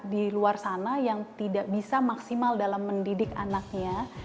jadi orang tua di luar sana yang tidak bisa maksimal dalam mendidik anaknya